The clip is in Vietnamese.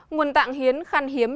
nguồn tạng hiến khăn hiếm